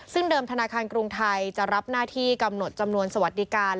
ซึ่งเดิมธนาคารกรุงไทยจะรับหน้าที่กำหนดจำนวนสวัสดิการ